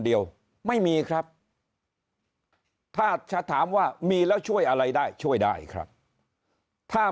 เดียวไม่มีครับถ้าจะถามว่ามีแล้วช่วยอะไรได้ช่วยได้ครับถ้า